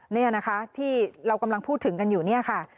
นี่นะคะที่เรากำลังพูดถึงกันอยู่เนี่ยค่ะ